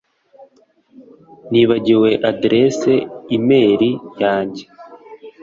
Nibagiwe adresse imeri yanjye